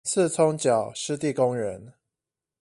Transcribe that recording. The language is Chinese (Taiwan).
莿蔥腳濕地公園